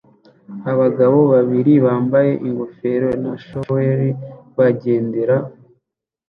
Abagabo babiri bambaye ingofero na shaweli bagendera